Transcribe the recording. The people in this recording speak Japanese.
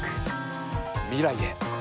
未来へ。